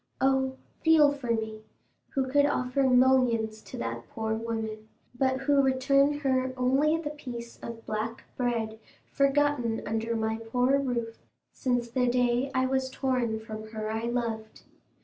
"Oh, feel for me, who could offer millions to that poor woman, but who return her only the piece of black bread forgotten under my poor roof since the day I was torn from her I loved.